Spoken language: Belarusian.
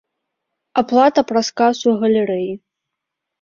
Аплата праз касу галерэі.